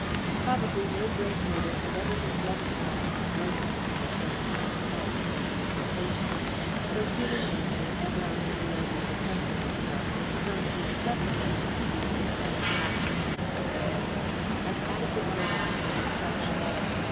Probably no great murder had ever been justified by motive, in the sense that incitement is vindication, though human nature, ever on the alert in defence of itself, was prone to accept such excuses as passion and revenge as adequate motives for destruction.